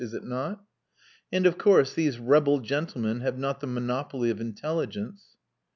Is it not? And, of course, these rebel gentlemen have not the monopoly of intelligence."